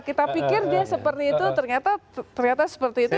kita pikir dia seperti itu ternyata seperti itu